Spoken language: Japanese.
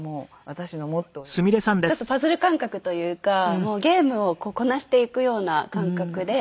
ちょっとパズル感覚というかゲームをこうこなしていくような感覚で。